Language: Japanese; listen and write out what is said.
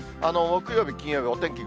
木曜日、金曜日、お天気